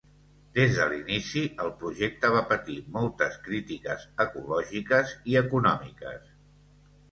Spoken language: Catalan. Des de l'inici, el projecte va patir moltes crítiques ecològiques i econòmiques.